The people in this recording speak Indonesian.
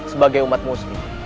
sebagai umat muslim